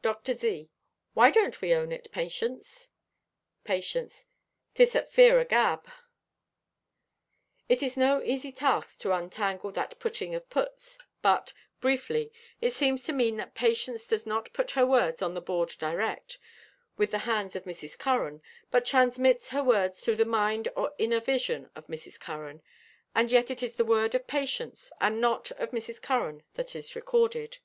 Dr. Z.—"Why don't we own it, Patience?" Patience.—"'Tis at fear o' gab." It is no easy task to untangle that putting of puts, but, briefly, it seems to mean that Patience does not put her words on the board direct, with the hands of Mrs. Curran, but transmits her words through the mind or inner vision of Mrs. Curran, and yet it is the word of Patience and not of Mrs. Curran that is recorded.